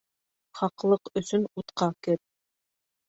Хаҡлыҡ өсөн утҡа кер.